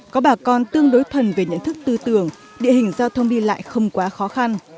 có bà con tương đối thuần về nhận thức tư tưởng địa hình giao thông đi lại không quá khó khăn